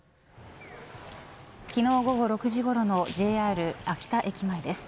昨日午後６時ごろのＪＲ秋田駅前です。